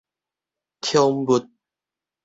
寵物